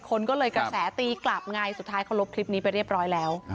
คนก็เลยกระแสตีกลับไงสุดท้ายเขาลบคลิปนี้ไปเรียบร้อยแล้ว